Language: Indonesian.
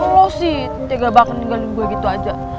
lo sih tiga banget tinggalin gue gitu aja